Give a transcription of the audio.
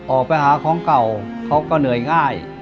ออกไปหาของเก่าเขาก็เหนื่อยง่าย